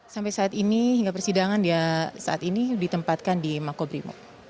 sampai saat ini hingga persidangan dia saat ini ditempatkan di makobrimo